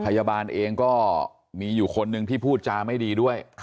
พยาบาลเองก็มีอยู่คนหนึ่งที่พูดจาไม่ดีด้วย